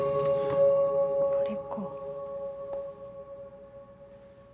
これか。